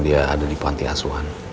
dia ada di pantiasuan